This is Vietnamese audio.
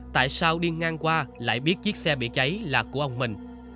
tại sao đi ngang qua lại biết chiếc xe bị cháy là của ông mình